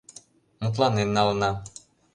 Мутланен налына.